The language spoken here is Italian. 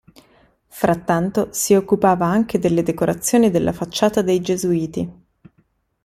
Frattanto si occupava anche delle decorazioni della facciata dei Gesuiti.